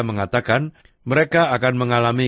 mengatakan mereka akan mengalami